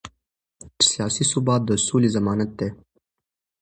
سیاسي ثبات د سولې ضمانت دی